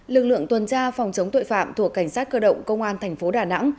lực lượng tuần tra phòng chống tội phạm thuộc cảnh sát cơ động công an tp đà nẵng